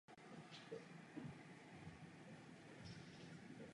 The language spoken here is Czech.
Zde konečně našel své fotografické téma.